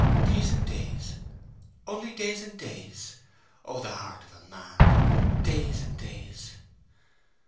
"Days and days! Only days and days? Oh, the heart of a man! Days and days!"